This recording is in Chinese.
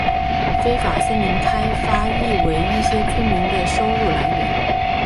非法森林开发亦为一些村民的收入来源。